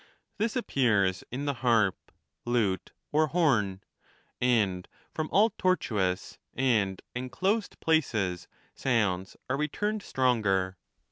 This appears in the harp, lute, or horn ;^ and from all tortuous and enclosed places sounds are returned stronger.